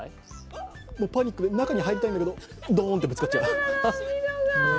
もう、パニックで中に入りたいんだけど、ドーンとぶつかっちゃう。